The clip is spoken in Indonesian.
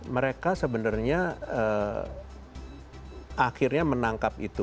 mereka sebenarnya akhirnya menangkap itu